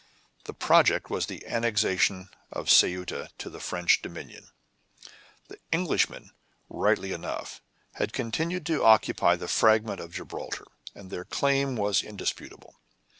The project was the annexation of Ceuta to the French dominion. The Englishmen, rightly enough, had continued to occupy the fragment of Gibraltar, and their claim was indisputable.